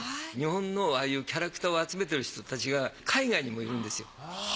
日本のああいうキャラクターを集めている人たちが海外にもいるんですよ。